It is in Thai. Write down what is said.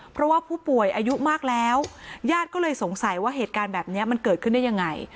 เพราะว่าผู้ป่วยอายุมากแล้วญาติก็เลยสงสัยว่าเหตุการณ์แบบนี้มันเกิดขึ้นได้ยังไง